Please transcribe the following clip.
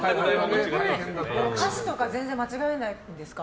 歌詞とか全然間違えないんですか？